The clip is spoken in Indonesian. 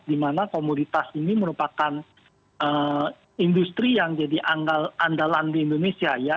di mana komoditas ini merupakan industri yang jadi andalan di indonesia ya